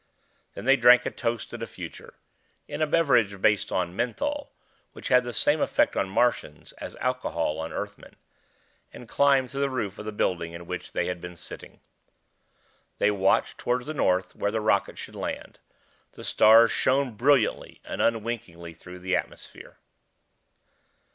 Then they drank a toast to the future in a beverage based on menthol, which had the same effect on Martians as alcohol on Earthmen and climbed to the roof of the building in which they had been sitting. They watched toward the north, where the rocket should land. The stars shone brilliantly and unwinkingly through the atmosphere.